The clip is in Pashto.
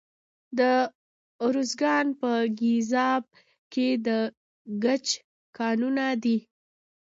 د ارزګان په ګیزاب کې د ګچ کانونه دي.